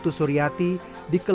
kira masalah ada di dalam video berikut